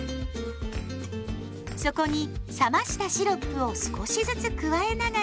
そこに冷ましたシロップを少しずつ加えながら混ぜます。